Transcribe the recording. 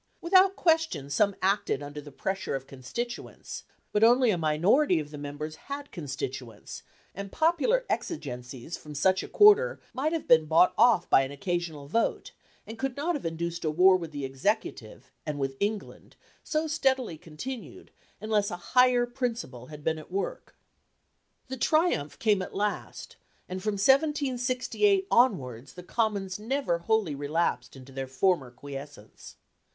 Without question some acted under the pressure of constituents; but only a minority of the members had constituents, and popular exigencies from such a quarter might have been bought off by an occasional vote, and could not have induced a war with the Executive and with England so steadily continued, unless a higher principle had been at work. The triumph came at last; and from 1768 onwards the Commons never wholly relapsed into their former quiescence.